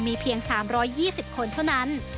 มีเพียง๓๒๐คนเท่านั้น